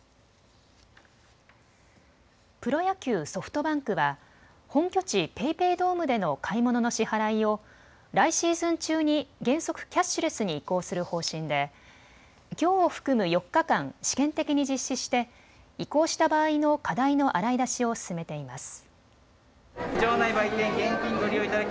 プロ野球・ソフトバンクは本拠地ＰａｙＰａｙドームでの買い物の支払いを来シーズン中に原則キャッシュレスに移行する方針できょうを含む４日間、試験的に実施して移行した場合の課題の洗い出しを進めています。